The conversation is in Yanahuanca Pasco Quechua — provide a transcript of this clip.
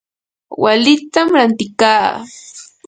walitam rantikaa.